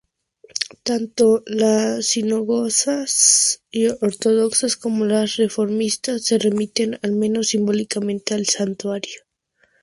Tanto las sinagogas ortodoxas como las reformistas se remiten, al menos simbólicamente, al santuario.